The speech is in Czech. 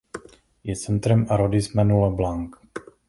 Je centrem arrondissementu Le Blanc.